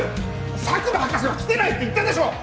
佐久間博士は来てないって言ったでしょう！